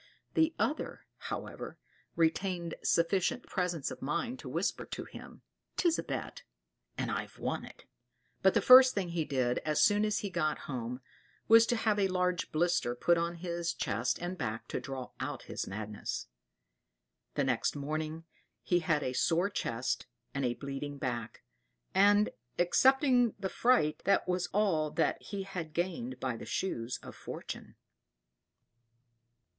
The other, however, retained sufficient presence of mind to whisper to him, "'Tis a bet, and I have won it!" But the first thing he did as soon as he got home, was to have a large blister put on his chest and back to draw out his madness. The next morning he had a sore chest and a bleeding back; and, excepting the fright, that was all that he had gained by the Shoes of Fortune.